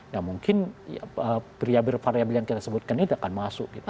ya mungkin variabel variabel yang kita sebutkan itu akan masuk gitu